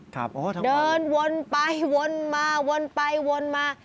ครับทั้งวันเดินวนไปวนมาวนไปวนมา